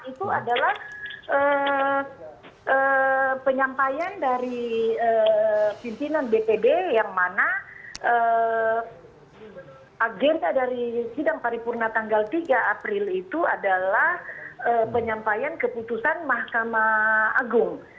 itu adalah penyampaian dari pimpinan bpd yang mana agenda dari sidang paripurna tanggal tiga april itu adalah penyampaian keputusan mahkamah agung